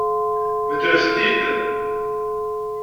Beddlet-t-id.